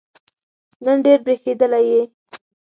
نن ډېر برېښېدلی یې